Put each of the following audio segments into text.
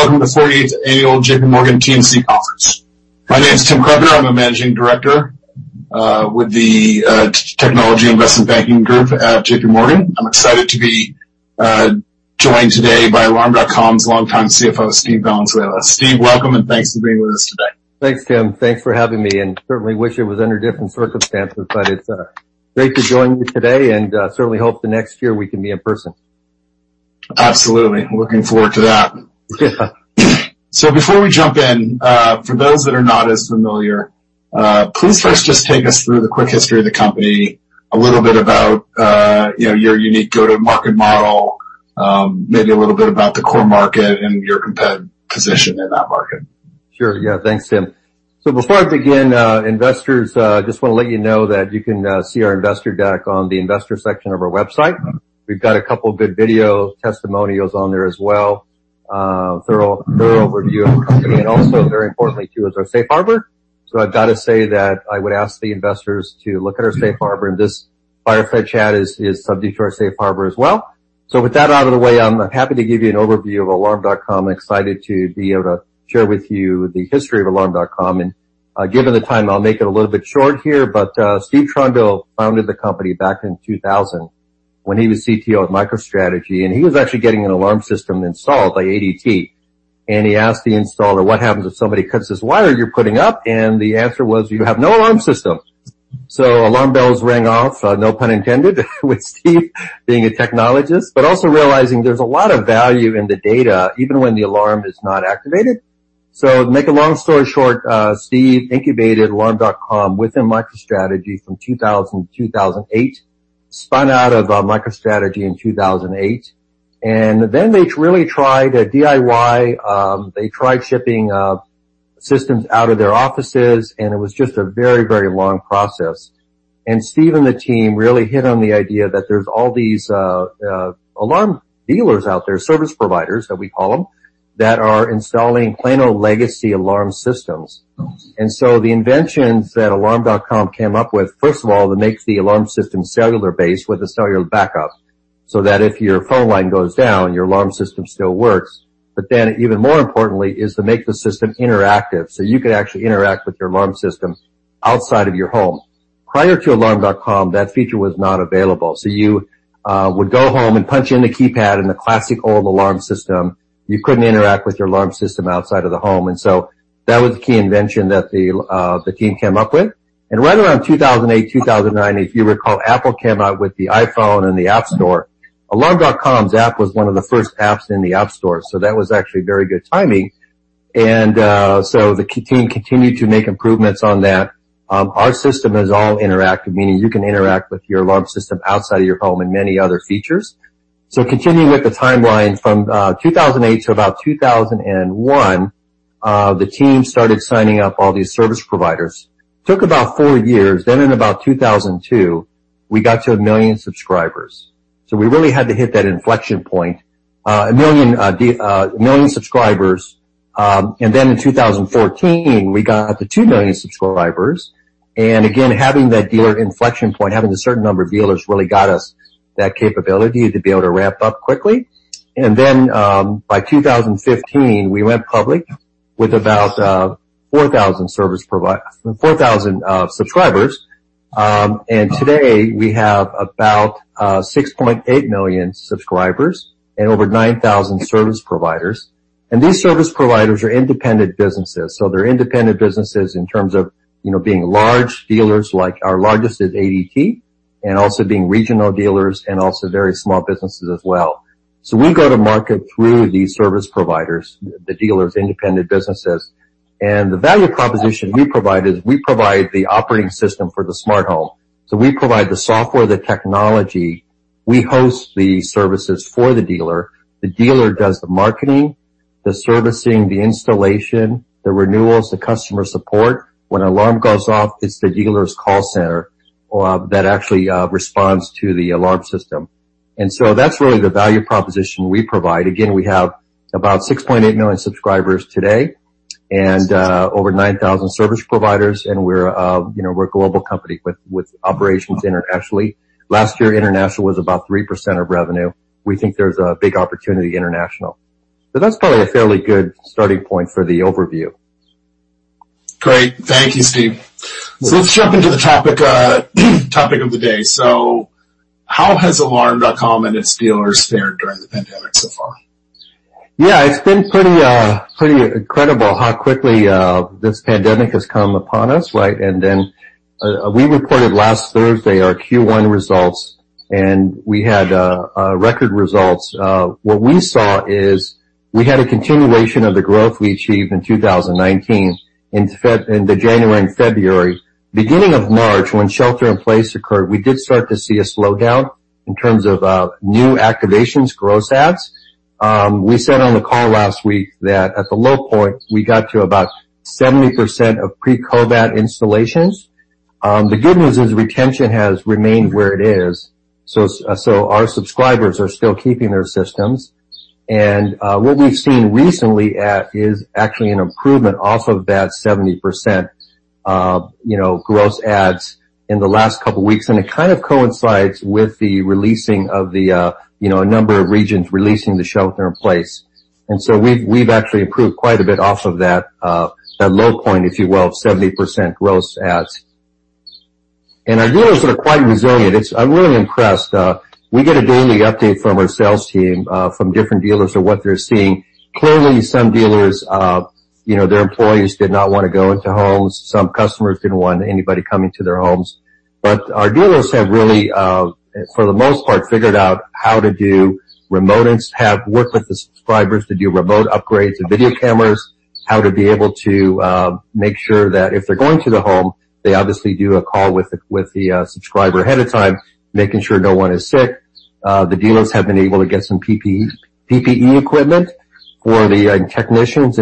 Good morning, everyone, and welcome to the 48th Annual JPMorgan TMT Conference. My name is Tim Krepper. I'm a managing director with the technology investment banking group at JPMorgan. I'm excited to be joined today by Alarm.com's longtime CFO, Steve Valenzuela. Steve, welcome, and thanks for being with us today. Thanks, Tim. Thanks for having me, and certainly wish it was under different circumstances, but it's great to join you today and certainly hope the next year we can be in person. Absolutely. Looking forward to that. Before we jump in, for those that are not as familiar, please first just take us through the quick history of the company, a little bit about your unique go-to-market model, maybe a little bit about the core market and your competitive position in that market. Sure. Yeah. Thanks, Tim. Before I begin, investors, just want to let you know that you can see our investor deck on the investor section of our website. We've got a couple good video testimonials on there as well, thorough overview of the company, and also very importantly, too, is our safe harbor. I've got to say that I would ask the investors to look at our safe harbor, and this fireside chat is subject to our safe harbor as well. With that out of the way, I'm happy to give you an overview of Alarm.com. Excited to be able to share with you the history of Alarm.com. Given the time, I'll make it a little bit short here, but Steve Trundle founded the company back in 2000 when he was CTO at MicroStrategy, and he was actually getting an alarm system installed by ADT. He asked the installer, "What happens if somebody cuts this wire you're putting up?" The answer was, "You have no alarm system." Alarm bells rang off, no pun intended, with Steve being a technologist, but also realizing there's a lot of value in the data, even when the alarm is not activated. To make a long story short, Steve incubated Alarm.com within MicroStrategy from 2000 to 2008, spun out of MicroStrategy in 2008, and then they really tried a DIY. They tried shipping systems out of their offices, and it was just a very long process. Steve and the team really hit on the idea that there's all these alarm dealers out there, service providers that we call them, that are installing plain old legacy alarm systems. The inventions that Alarm.com came up with, first of all, to make the alarm system cellular based with a cellular backup, so that if your phone line goes down, your alarm system still works. Even more importantly is to make the system interactive, so you could actually interact with your alarm system outside of your home. Prior to Alarm.com, that feature was not available. You would go home and punch in the keypad in the classic old alarm system. You couldn't interact with your alarm system outside of the home. That was the key invention that the team came up with. Right around 2008, 2009, if you recall, Apple came out with the iPhone and the App Store. Alarm.com's app was one of the first apps in the App Store. That was actually very good timing. The team continued to make improvements on that. Our system is all interactive, meaning you can interact with your alarm system outside of your home and many other features. Continuing with the timeline from 2008 to about 2001, the team started signing up all these service providers. Took about four years, then in about 2002, we got to 1 million subscribers. We really had to hit that inflection point, 1 million subscribers, and then in 2014, we got to 2 million subscribers. Again, having that dealer inflection point, having a certain number of dealers really got us that capability to be able to ramp up quickly. By 2015, we went public with about 4,000 service providers. Today we have about 6.8 million subscribers and over 9,000 service providers. These service providers are independent businesses. They're independent businesses in terms of being large dealers, like our largest is ADT, and also being regional dealers and also very small businesses as well. We go to market through these service providers, the dealers, independent businesses. The value proposition we provide is we provide the operating system for the smart home. We provide the software, the technology. We host the services for the dealer. The dealer does the marketing, the servicing, the installation, the renewals, the customer support. When an alarm goes off, it's the dealer's call center that actually responds to the alarm system. That's really the value proposition we provide. Again, we have about 6.8 million subscribers today and over 9,000 service providers, and we're a global company with operations internationally. Last year, international was about 3% of revenue. We think there's a big opportunity international. That's probably a fairly good starting point for the overview. Great. Thank you, Steve. Let's jump into the topic of the day. How has Alarm.com and its dealers fared during the pandemic so far? Yeah, it's been pretty incredible how quickly this pandemic has come upon us, right? We reported last Thursday our Q1 results, and we had record results. What we saw is we had a continuation of the growth we achieved in 2019 into January and February. Beginning of March, when shelter in place occurred, we did start to see a slowdown in terms of new activations, gross adds. We said on the call last week that at the low point, we got to about 70% of pre-COVID installations. The good news is retention has remained where it is, so our subscribers are still keeping their systems. What we've seen recently at is actually an improvement off of that 70% gross adds. In the last couple weeks, and it kind of coincides with a number of regions releasing the shelter-in-place. We've actually improved quite a bit off of that low point, if you will, of 70% gross adds. Our dealers are quite resilient. I'm really impressed. We get a daily update from our sales team, from different dealers of what they're seeing. Clearly, some dealers, their employees did not want to go into homes. Some customers didn't want anybody coming to their homes. Our dealers have really, for the most part, figured out how to do remote and have worked with the subscribers to do remote upgrades and video cameras, how to be able to make sure that if they're going to the home, they obviously do a call with the subscriber ahead of time, making sure no one is sick. The dealers have been able to get some PPE equipment for the technicians,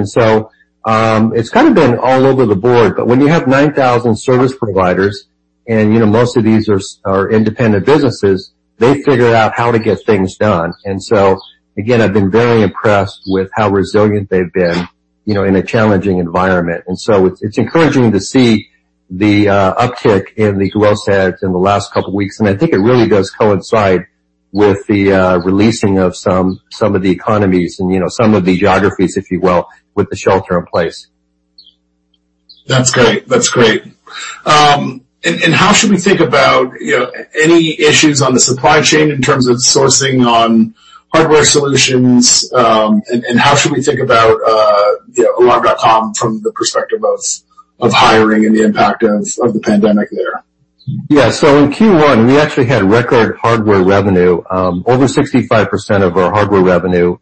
it's kind of been all over the board. When you have 9,000 service providers, and most of these are independent businesses, they figure out how to get things done. Again, I've been very impressed with how resilient they've been in a challenging environment. It's encouraging to see the uptick in the gross adds in the last couple weeks. I think it really does coincide with the releasing of some of the economies and some of the geographies, if you will, with the shelter-in-place. That's great. How should we think about any issues on the supply chain in terms of sourcing on hardware solutions, how should we think about Alarm.com from the perspective of hiring and the impact of the pandemic there? Yeah. In Q1, we actually had record hardware revenue. Over 65% of our hardware revenue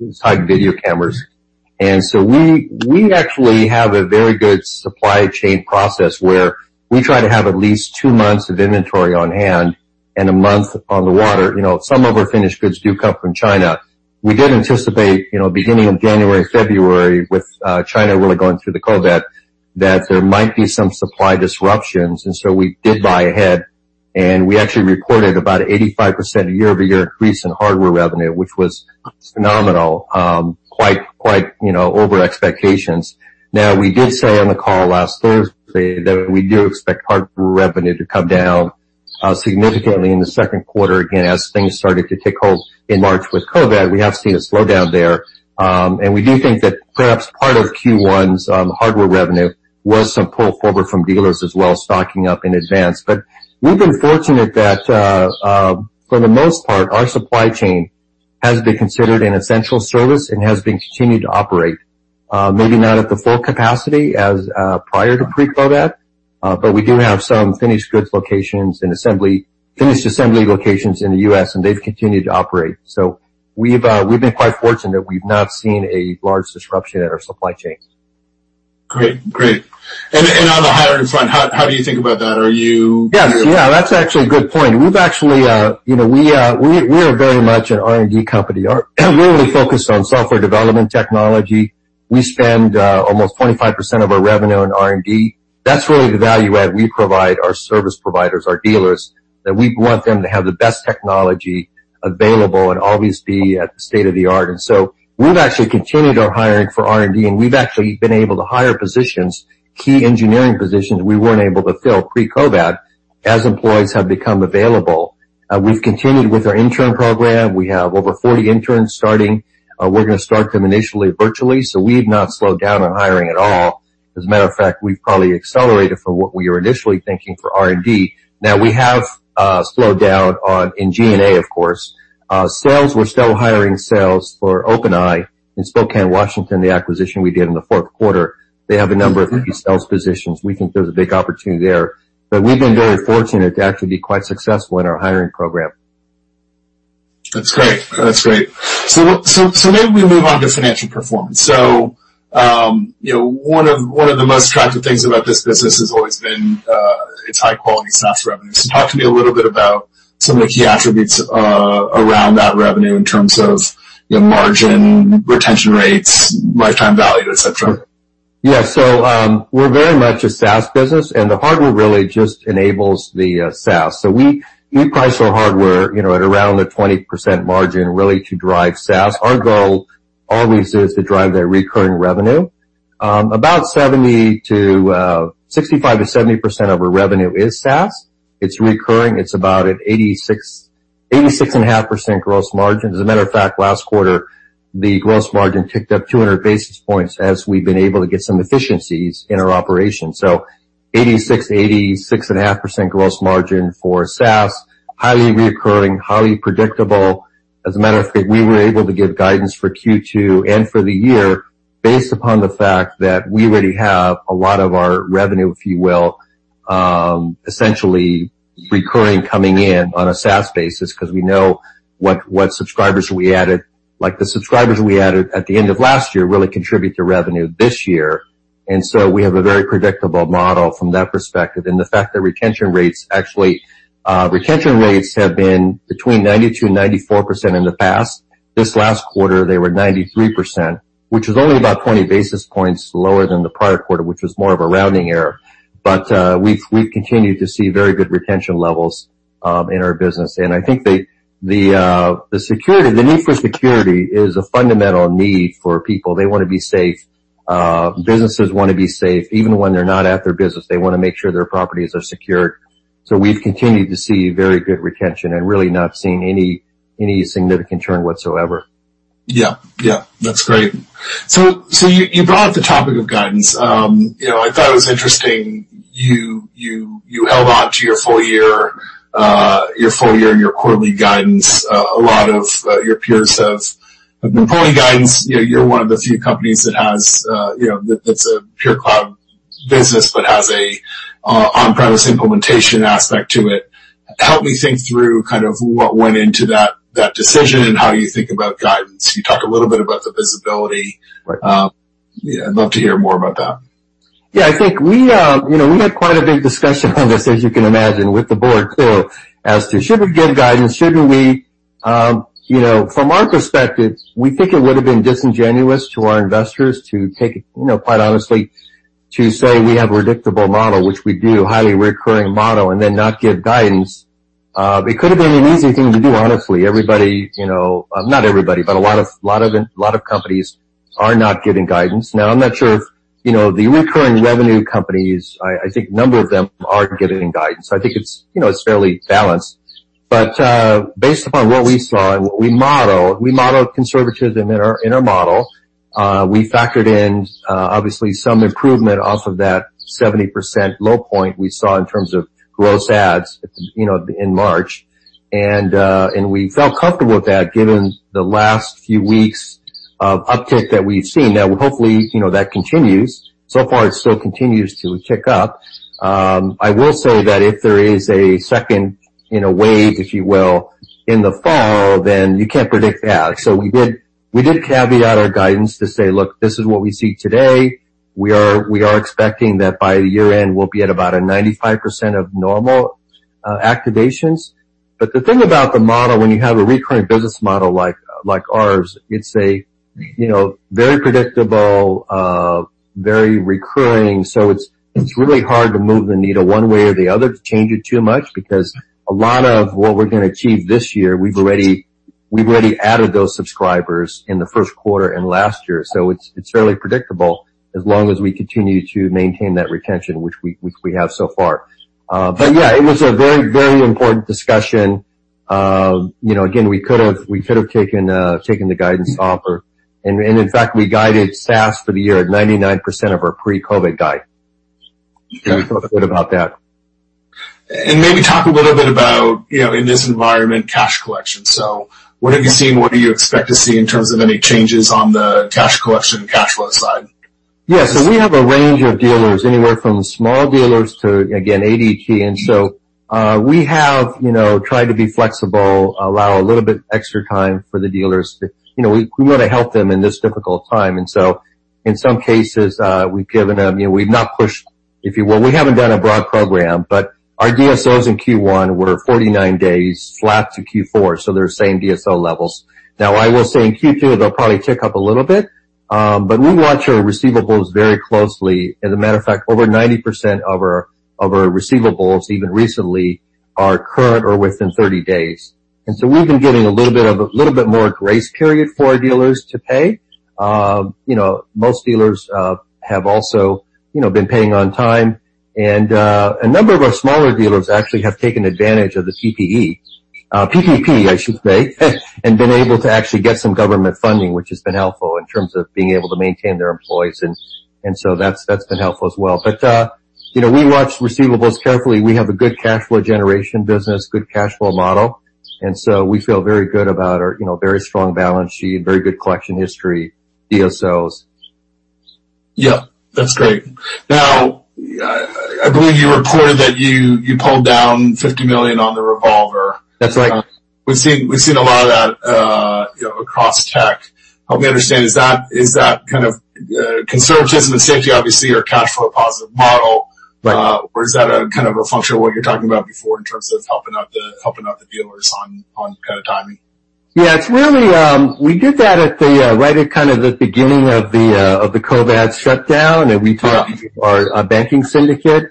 is tied to video cameras. We actually have a very good supply chain process where we try to have at least two months of inventory on hand and one month on the water. Some of our finished goods do come from China. We did anticipate, beginning of January, February, with China really going through the COVID, that there might be some supply disruptions. We did buy ahead, and we actually reported about 85% year-over-year increase in hardware revenue, which was phenomenal. Quite over expectations. We did say on the call last Thursday that we do expect hardware revenue to come down significantly in the second quarter, again, as things started to take hold in March with COVID. We have seen a slowdown there. We do think that perhaps part of Q1's hardware revenue was some pull forward from dealers as well, stocking up in advance. We've been fortunate that for the most part, our supply chain has been considered an essential service and has been continuing to operate. Maybe not at the full capacity as prior to pre-COVID, but we do have some finished goods locations and finished assembly locations in the U.S., and they've continued to operate. We've been quite fortunate. We've not seen a large disruption in our supply chains. Great. On the hiring front, how do you think about that? Yeah. That's actually a good point. We are very much an R&D company. We're really focused on software development technology. We spend almost 25% of our revenue on R&D. That's really the value add we provide our service providers, our dealers, that we want them to have the best technology available and always be at the state of the art. We've actually continued our hiring for R&D, and we've actually been able to hire positions, key engineering positions we weren't able to fill pre-COVID, as employees have become available. We've continued with our intern program. We have over 40 interns starting. We're going to start them initially virtually. We've not slowed down on hiring at all. As a matter of fact, we've probably accelerated from what we were initially thinking for R&D. Now we have slowed down in G&A, of course. Sales, we're still hiring sales for OpenEye in Spokane, Washington, the acquisition we did in the fourth quarter. They have a number of empty sales positions. We think there's a big opportunity there, but we've been very fortunate to actually be quite successful in our hiring program. That's great. Maybe we move on to financial performance. One of the most attractive things about this business has always been its high-quality SaaS revenue. Talk to me a little bit about some of the key attributes around that revenue in terms of margin, retention rates, lifetime value, et cetera. Yeah. We're very much a SaaS business, and the hardware really just enables the SaaS. We price our hardware at around a 20% margin, really to drive SaaS. Our goal always is to drive that recurring revenue. About 65%-70% of our revenue is SaaS. It's recurring. It's about at 86.5% gross margin. As a matter of fact, last quarter, the gross margin ticked up 200 basis points as we've been able to get some efficiencies in our operation. 86%, 86.5% gross margin for SaaS, highly reoccurring, highly predictable. As a matter of fact, we were able to give guidance for Q2 and for the year based upon the fact that we already have a lot of our revenue, if you will, essentially recurring coming in on a SaaS basis because we know what subscribers we added, like the subscribers we added at the end of last year really contribute to revenue this year. We have a very predictable model from that perspective, and the fact that retention rates have been between 92% and 94% in the past. This last quarter, they were 93%, which is only about 20 basis points lower than the prior quarter, which was more of a rounding error. We've continued to see very good retention levels in our business. I think the need for security is a fundamental need for people. They want to be safe. Businesses want to be safe. Even when they're not at their business, they want to make sure their properties are secured. We've continued to see very good retention and really not seen any significant churn whatsoever. Yeah. That's great. You brought up the topic of guidance. I thought it was interesting you held onto your full year and your quarterly guidance. A lot of your peers have been pulling guidance. You're one of the few companies that's a pure cloud business but has a on-premise implementation aspect to it. Help me think through what went into that decision and how you think about guidance. You talked a little bit about the visibility. Right. I'd love to hear more about that. I think we had quite a big discussion on this, as you can imagine, with the board too, as to should we give guidance, shouldn't we? From our perspective, we think it would've been disingenuous to our investors to take, quite honestly, to say we have a predictable model, which we do, highly recurring model, and then not give guidance. It could've been an easy thing to do, honestly. Everybody, not everybody, but a lot of companies are not giving guidance. Now, I'm not sure if the recurring revenue companies, I think a number of them are giving guidance. I think it's fairly balanced. Based upon what we saw and what we model, we modeled conservatism in our model. We factored in, obviously, some improvement off of that 70% low point we saw in terms of gross adds in March. We felt comfortable with that given the last few weeks of uptick that we've seen. Hopefully, that continues. It still continues to tick up. I will say that if there is a second wave, if you will, in the fall, you can't predict that. We did caveat our guidance to say, "Look, this is what we see today." We are expecting that by year-end, we'll be at about a 95% of normal activations. The thing about the model, when you have a recurring business model like ours, it's very predictable, very recurring. It's really hard to move the needle one way or the other to change it too much, because a lot of what we're going to achieve this year, we've already added those subscribers in the first quarter and last year. It's fairly predictable as long as we continue to maintain that retention, which we have so far. Yeah, it was a very important discussion. Again, we could've taken the guidance offer, and in fact, we guided SaaS for the year at 99% of our pre-COVID guide. Yeah. We felt good about that. Maybe talk a little bit about, in this environment, cash collection, what have you seen and what do you expect to see in terms of any changes on the cash collection and cash flow side? We have a range of dealers, anywhere from small dealers to, again, ADT. We have tried to be flexible, allow a little bit extra time for the dealers. We want to help them in this difficult time. In some cases, we've not pushed, if you will. We haven't done a broad program. Our DSOs in Q1 were 49 days flat to Q4, so they're the same DSO levels. I will say in Q2, they'll probably tick up a little bit. We watch our receivables very closely. As a matter of fact, over 90% of our receivables, even recently, are current or within 30 days. We've been giving a little bit more grace period for our dealers to pay. Most dealers have also been paying on time. A number of our smaller dealers actually have taken advantage of the PPE, I should say, and been able to actually get some government funding, which has been helpful in terms of being able to maintain their employees. That's been helpful as well. We watch receivables carefully. We have a good cash flow generation business, good cash flow model, we feel very good about our very strong balance sheet and very good collection history, DSOs. Yeah. That's great. Now, I believe you reported that you pulled down $50 million on the revolver. That's right. We've seen a lot of that across tech. Help me understand, is that kind of conservatism and safety, obviously, or cash flow positive model? Right. Is that a kind of a function of what you're talking about before in terms of helping out the dealers on kind of timing? Yeah. We did that right at kind of the beginning of the COVID shutdown. We talked to our banking syndicate,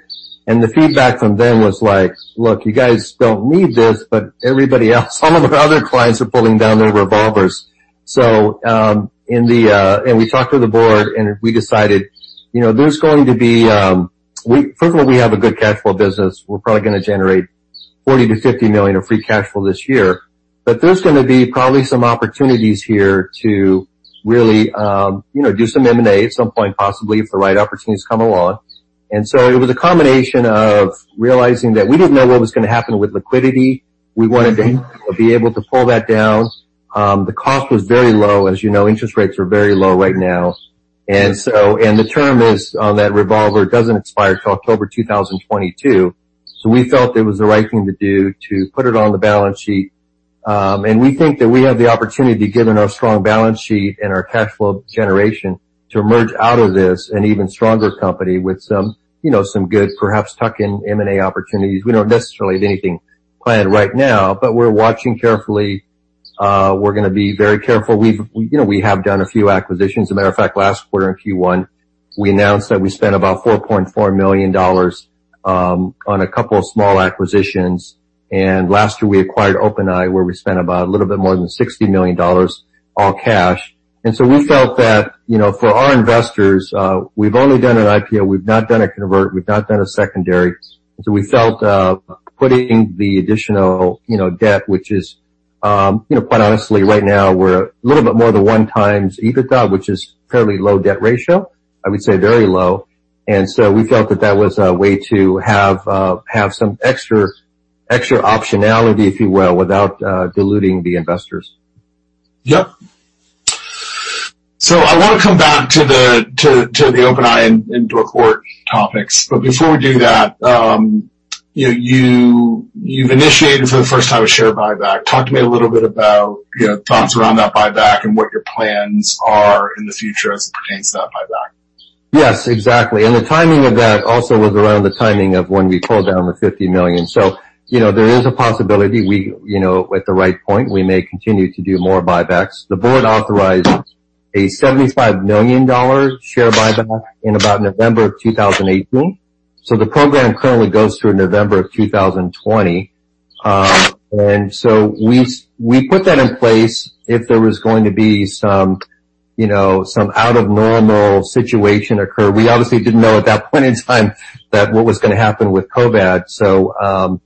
and the feedback from them was like, "Look, you guys don't need this, but everybody else, all of our other clients are pulling down their revolvers." We talked to the board, and we decided. First of all, we have a good cash flow business. We're probably going to generate $40 million-$50 million of free cash flow this year. There's going to be probably some opportunities here to really do some M&A at some point, possibly, if the right opportunities come along. It was a combination of realizing that we didn't know what was going to happen with liquidity. We wanted to be able to pull that down. The cost was very low. As you know, interest rates are very low right now. The term is on that revolver, it doesn't expire till October 2022. We felt it was the right thing to do to put it on the balance sheet. We think that we have the opportunity, given our strong balance sheet and our cash flow generation, to emerge out of this an even stronger company with some good perhaps tuck-in M&A opportunities. We don't necessarily have anything planned right now, but we're watching carefully. We're going to be very careful. We have done a few acquisitions. As a matter of fact, last quarter in Q1. We announced that we spent about $4.4 million on a couple of small acquisitions, and last year we acquired OpenEye, where we spent about a little bit more than $60 million, all cash. We felt that for our investors, we've only done an IPO, we've not done a convert, we've not done a secondary. We felt putting the additional debt, which is, quite honestly, right now we're a little bit more than one times EBITDA, which is fairly low debt ratio. I would say very low. We felt that that was a way to have some extra optionality, if you will, without diluting the investors. Yep. I want to come back to the OpenEye and DoorBird topics. Before we do that, you've initiated for the first time a share buyback. Talk to me a little bit about thoughts around that buyback and what your plans are in the future as it pertains to that buyback. Yes, exactly. The timing of that also was around the timing of when we pulled down the $50 million. There is a possibility at the right point, we may continue to do more buybacks. The board authorized a $75 million share buyback in about November of 2018. The program currently goes through November of 2020. We put that in place if there was going to be some out of normal situation occur. We obviously didn't know at that point in time that what was going to happen with COVID.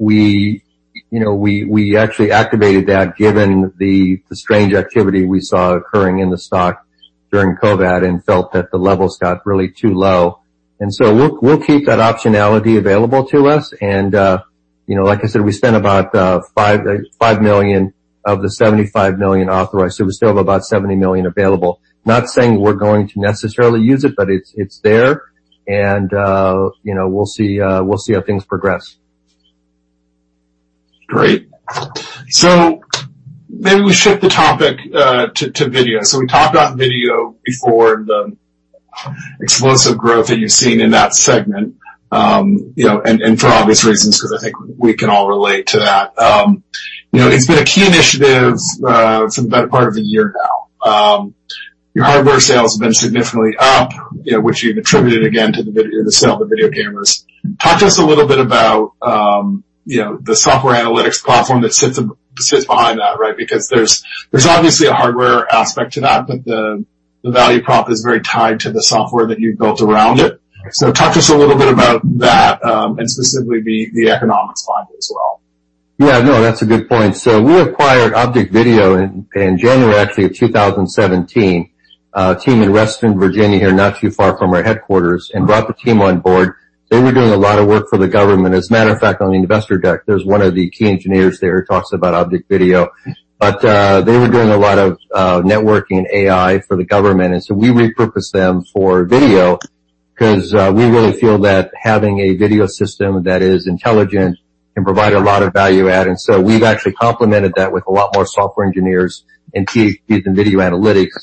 We actually activated that given the strange activity we saw occurring in the stock during COVID and felt that the levels got really too low. We'll keep that optionality available to us. Like I said, we spent about $5 million of the $75 million authorized. We still have about $70 million available. Not saying we're going to necessarily use it, but it's there. We'll see how things progress. Great. Maybe we shift the topic to video. We talked about video before the explosive growth that you've seen in that segment, and for obvious reasons, because I think we can all relate to that. It's been a key initiative for the better part of a year now. Your hardware sales have been significantly up, which you've attributed again to the sale of the video cameras. Talk to us a little bit about the software analytics platform that sits behind that, right? Because there's obviously a hardware aspect to that, but the value prop is very tied to the software that you've built around it. Talk to us a little bit about that, and specifically the economics behind it as well. Yeah, no, that's a good point. We acquired ObjectVideo in January actually of 2017. A team in Northern Virginia here not too far from our headquarters and brought the team on board. They were doing a lot of work for the government. As a matter of fact, on the investor deck, there's one of the key engineers there who talks about ObjectVideo. They were doing a lot of AI networking for the government, we repurposed them for video because we really feel that having a video system that is intelligent can provide a lot of value add. We've actually complemented that with a lot more software engineers and PhDs in Video Analytics.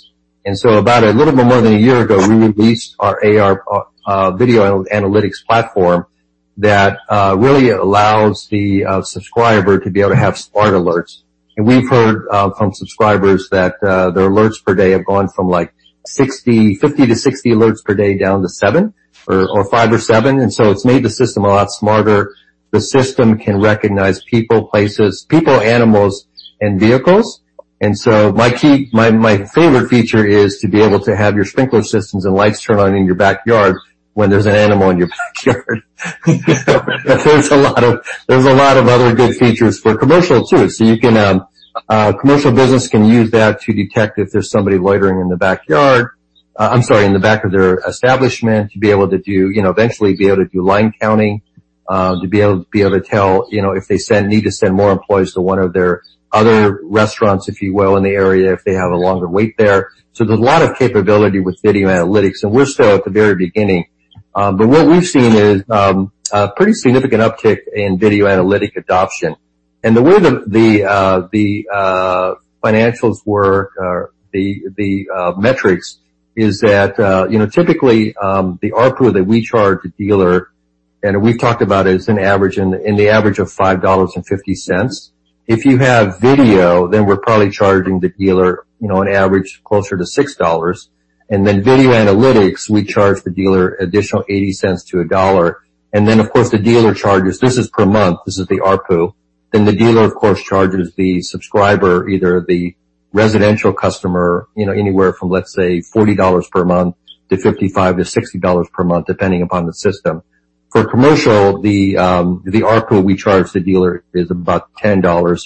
About a little bit more than one year ago, we released our AR Video Analytics platform that really allows the subscriber to be able to have smart alerts. We've heard from subscribers that their alerts per day have gone from 50 to 60 alerts per day down to five or seven, and so it's made the system a lot smarter. The system can recognize people, animals and vehicles. My favorite feature is to be able to have your sprinkler systems and lights turn on in your backyard when there's an animal in your backyard. There's a lot of other good features for commercial too. Commercial business can use that to detect if there's somebody loitering in the backyard, I'm sorry, in the back of their establishment to eventually be able to do line counting, to be able to tell if they need to send more employees to one of their other restaurants, if you will, in the area if they have a longer wait there. There's a lot of capability with Video Analytics, and we're still at the very beginning. What we've seen is a pretty significant uptick in Video Analytic adoption. The way the financials were, the metrics is that, typically, the ARPU that we charge the dealer, and we've talked about it as an average, in the average of $5.50. If you have video, then we're probably charging the dealer an average closer to $6. Video Analytics, we charge the dealer additional $0.80 to $1. Of course, the dealer charges, this is per month, this is the ARPU, then the dealer, of course, charges the subscriber, either the residential customer, anywhere from, let's say, $40 per month to $55-$60 per month, depending upon the system. For commercial, the ARPU we charge the dealer is about $10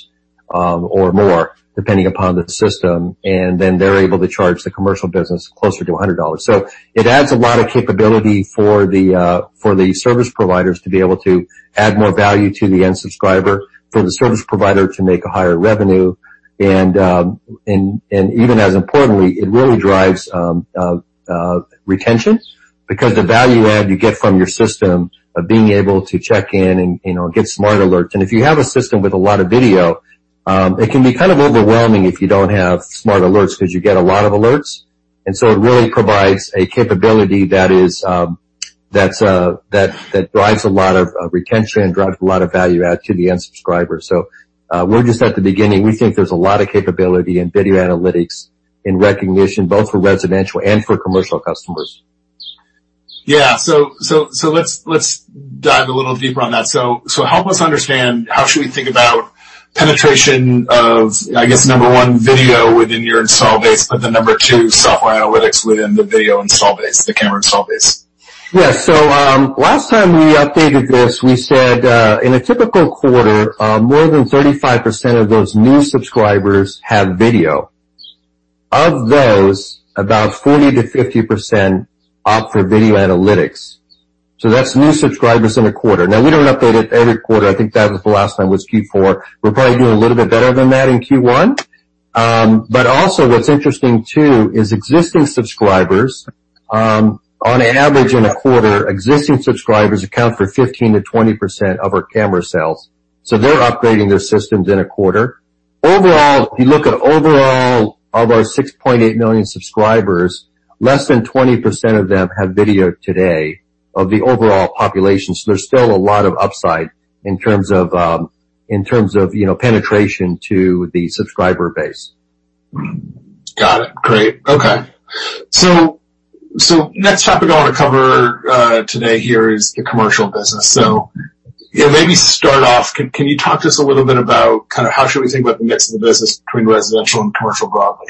or more, depending upon the system, and then they're able to charge the commercial business closer to $100. It adds a lot of capability for the service providers to be able to add more value to the end subscriber, for the service provider to make a higher revenue. Even as importantly, it really drives retention because the value add you get from your system of being able to check in and get smart alerts. If you have a system with a lot of video, it can be kind of overwhelming if you don't have smart alerts because you get a lot of alerts. It really provides a capability that drives a lot of retention and drives a lot of value add to the end subscriber. We're just at the beginning. We think there's a lot of capability in Video Analytics, in recognition, both for residential and for commercial customers. Let's dive a little deeper on that. Help us understand how should we think about penetration of, I guess number one, video within your install base, but then number two, software analytics within the video install base, the camera install base. Last time we updated this, we said in a typical quarter, more than 35% of those new subscribers have video. Of those, about 40%-50% opt for Video Analytics. That's new subscribers in a quarter. We don't update it every quarter. I think that was the last time was Q4. We're probably doing a little bit better than that in Q1. Also what's interesting, too, is existing subscribers on average in a quarter, existing subscribers account for 15%-20% of our camera sales. They're upgrading their systems in a quarter. Overall, if you look at overall of our 6.8 million subscribers, less than 20% of them have video today of the overall population. There's still a lot of upside in terms of penetration to the subscriber base. Got it. Great. Okay. Next topic I want to cover today here is the commercial business. Maybe start off, can you talk to us a little bit about how should we think about the mix of the business between residential and commercial broadly?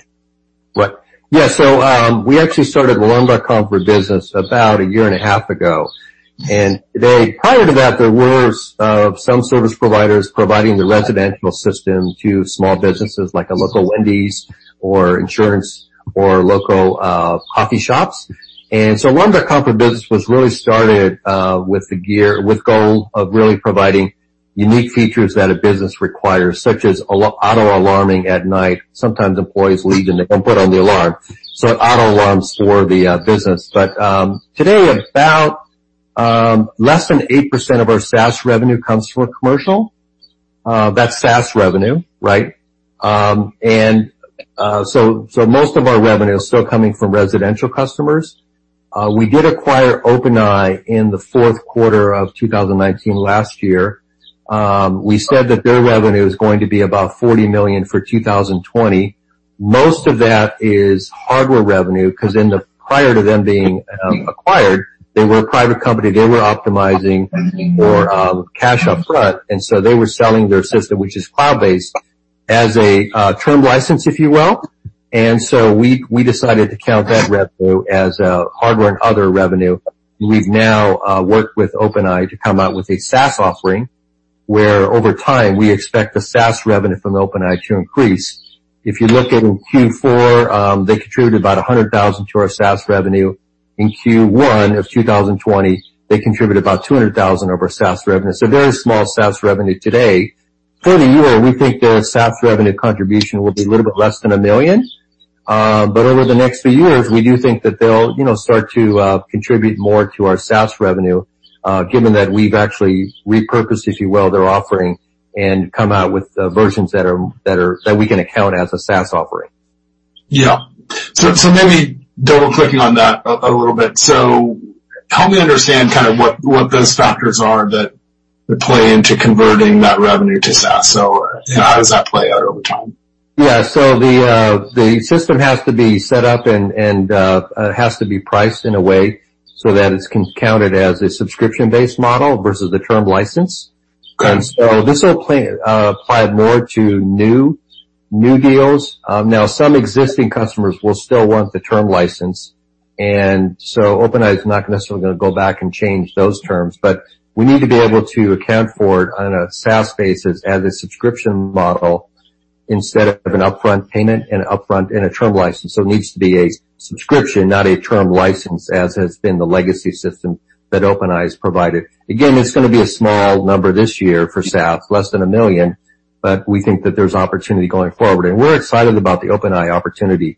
Right. Yeah. We actually started Alarm.com for Business about a year and a half ago. Prior to that, there were some service providers providing the residential system to small businesses like a local Wendy's or insurance or local coffee shops. Alarm.com for Business was really started with goal of really providing unique features that a business requires, such as auto alarming at night. Sometimes employees leave and they don't put on the alarm, so auto alarms for the business. Today, about less than 8% of our SaaS revenue comes from commercial. That's SaaS revenue, right? Most of our revenue is still coming from residential customers. We did acquire OpenEye in the fourth quarter of 2019 last year. We said that their revenue is going to be about $40 million for 2020. Most of that is hardware revenue, because prior to them being acquired, they were a private company. They were optimizing for cash up front. They were selling their system, which is cloud-based, as a term license, if you will. We decided to count that revenue as hardware and other revenue. We've now worked with OpenEye to come out with a SaaS offering, where over time, we expect the SaaS revenue from OpenEye to increase. If you look in Q4, they contributed about $100,000 to our SaaS revenue. In Q1 of 2020, they contributed about $200,000 of our SaaS revenue. Very small SaaS revenue today. For the year, we think their SaaS revenue contribution will be a little bit less than $1 million. Over the next few years, we do think that they'll start to contribute more to our SaaS revenue, given that we've actually repurposed, if you will, their offering and come out with versions that we can account as a SaaS offering. Yeah. Maybe double-clicking on that a little bit. Help me understand what those factors are that play into converting that revenue to SaaS. How does that play out over time? Yeah. The system has to be set up and has to be priced in a way so that it's counted as a subscription-based model versus a term license. Got it. This will apply more to new deals. Some existing customers will still want the term license, OpenEye is not necessarily going to go back and change those terms. We need to be able to account for it on a SaaS basis as a subscription model instead of an upfront payment and upfront in a term license. It needs to be a subscription, not a term license, as has been the legacy system that OpenEye has provided. It's going to be a small number this year for SaaS, less than $1 million, we think that there's opportunity going forward. We're excited about the OpenEye opportunity.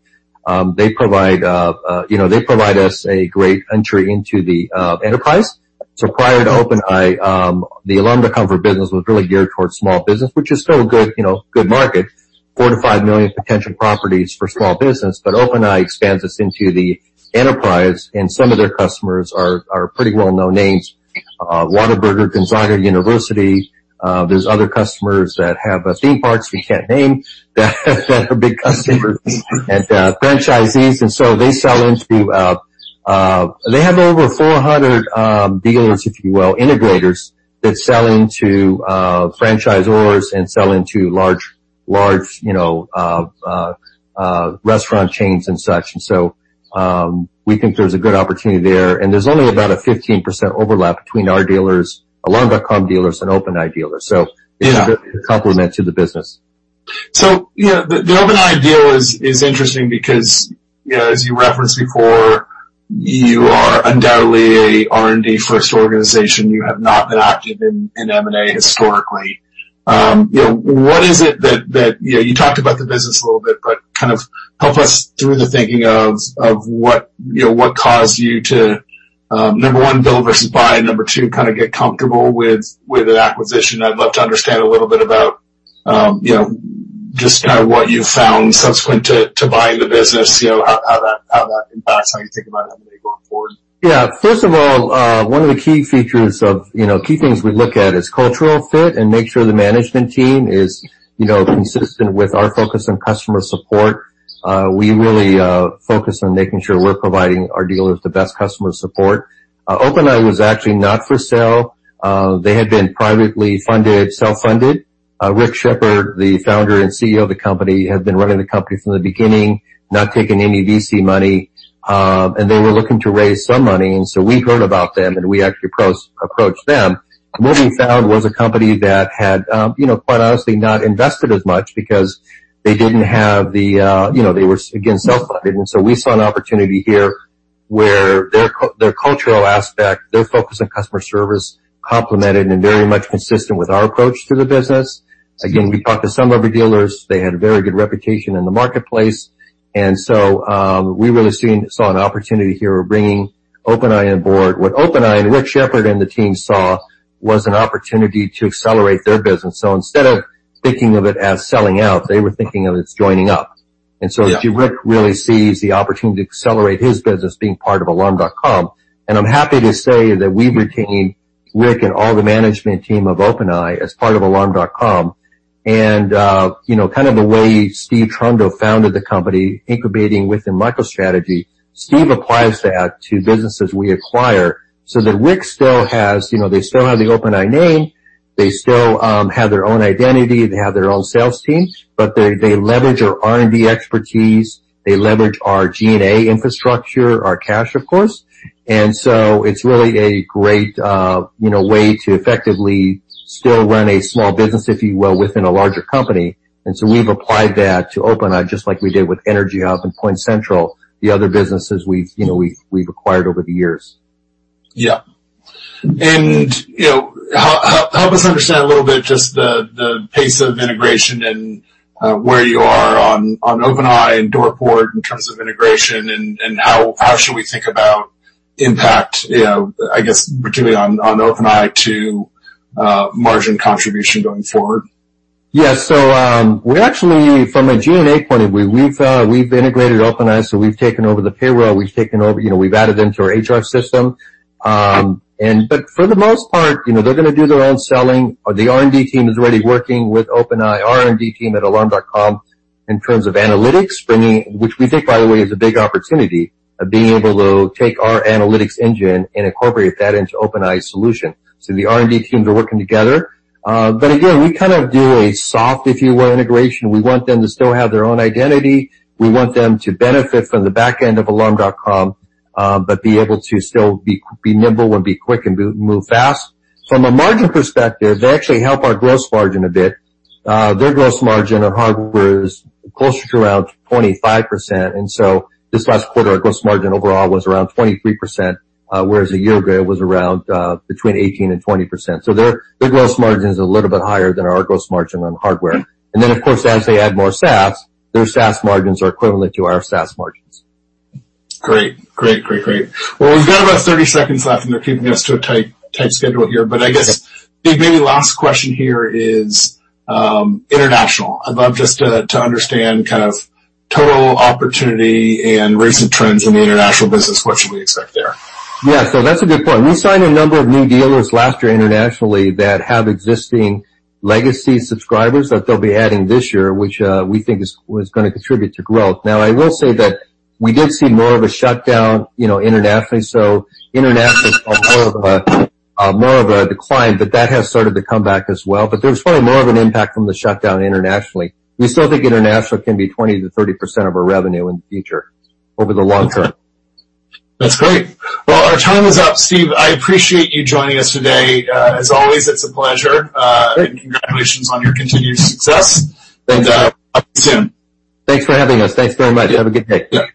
They provide us a great entry into the enterprise. Prior to OpenEye, the Alarm.com for Business was really geared towards small business, which is still a good market, 4 million-5 million potential properties for small business. OpenEye expands us into the enterprise, and some of their customers are pretty well-known names. Whataburger, Gonzaga University. There's other customers that have theme parks we can't name that are big customers and franchisees. They have over 400 dealers, if you will, integrators that sell into franchisors and sell into large restaurant chains and such. We think there's a good opportunity there. There's only about a 15% overlap between our dealers, Alarm.com dealers, and OpenEye dealers. It's a good complement to the business. The OpenEye deal is interesting because, as you referenced before, you are undoubtedly a R&D first organization. You have not been active in M&A historically. You talked about the business a little bit, but help us through the thinking of what caused you to, number one, build versus buy, and number two, get comfortable with an acquisition. I'd love to understand a little bit Just what you've found subsequent to buying the business, how that impacts how you think about them maybe going forward. First of all, one of the key things we look at is cultural fit and make sure the management team is consistent with our focus on customer support. We really focus on making sure we're providing our dealers the best customer support. OpenEye was actually not for sale. They had been privately funded, self-funded. Rick Sheppard, the Founder and CEO of the company, had been running the company from the beginning, not taking any VC money. They were looking to raise some money, and so we heard about them, and we actually approached them. What we found was a company that had, quite honestly, not invested as much because they were, again, self-funded. We saw an opportunity here where their cultural aspect, their focus on customer service complemented and very much consistent with our approach to the business. Again, we talked to some of their dealers. They had a very good reputation in the marketplace, we really saw an opportunity here of bringing OpenEye on board. What OpenEye and Rick Sheppard and the team saw was an opportunity to accelerate their business. Instead of thinking of it as selling out, they were thinking of it as joining up. Yeah. Rick really sees the opportunity to accelerate his business being part of Alarm.com, and I'm happy to say that we've retained Rick and all the management team of OpenEye as part of Alarm.com. Kind of the way Steve Trundle founded the company, incubating within MicroStrategy, Steve applies that to businesses we acquire, so that Rick still has the OpenEye name. They still have their own identity. They have their own sales team, but they leverage our R&D expertise. They leverage our G&A infrastructure, our cash, of course. It's really a great way to effectively still run a small business, if you will, within a larger company. We've applied that to OpenEye just like we did with EnergyHub and PointCentral, the other businesses we've acquired over the years. Yeah. Help us understand a little bit just the pace of integration and where you are on OpenEye and DoorBird in terms of integration and how should we think about impact, I guess, particularly on OpenEye to margin contribution going forward? Yeah, we actually, from a G&A point of view, we've integrated OpenEye, so we've taken over the payroll. We've added them to our HR system. For the most part, they're going to do their own selling. The R&D team is already working with OpenEye, our R&D team at Alarm.com, in terms of analytics, which we think, by the way, is a big opportunity of being able to take our analytics engine and incorporate that into OpenEye's solution. The R&D teams are working together. Again, we kind of do a soft, if you will, integration. We want them to still have their own identity. We want them to benefit from the back end of Alarm.com, but be able to still be nimble and be quick and move fast. From a margin perspective, they actually help our gross margin a bit. Their gross margin on hardware is closer to around 25%. This last quarter, our gross margin overall was around 23%, whereas a year ago it was around between 18% and 20%. Their gross margin is a little bit higher than our gross margin on hardware. Of course, as they add more SaaS, their SaaS margins are equivalent to our SaaS margins. Great. Well, we've got about 30 seconds left. They're keeping us to a tight schedule here. I guess, Steve, maybe last question here is international. I'd love just to understand kind of total opportunity and recent trends in the international business. What should we expect there? That's a good point. We signed a number of new dealers last year internationally that have existing legacy subscribers that they'll be adding this year, which we think is going to contribute to growth. I will say that we did see more of a shutdown internationally. International saw more of a decline, but that has started to come back as well. There was probably more of an impact from the shutdown internationally. We still think international can be 20%-30% of our revenue in the future over the long term. That's great. Well, our time is up. Steve, I appreciate you joining us today. As always, it's a pleasure. Great. Congratulations on your continued success. Thanks, Joe. Talk to you soon. Thanks for having us. Thanks very much. Have a good day. Yeah.